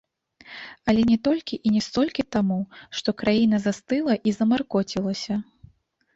Але не толькі і не столькі таму, што краіна застыла і замаркоцілася.